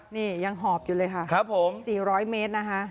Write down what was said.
นี่ยังหอบอยู่เลยค่ะ๔๐๐เมตรนะคะ